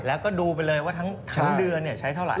แล้วก็ดูไปเลยว่าทั้งเดือนใช้เท่าไห